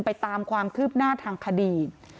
ไปตามความคืบหน้าทางคดี